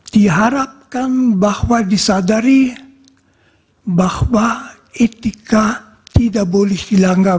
diharapkan bahwa disadari bahwa etika tidak boleh hilang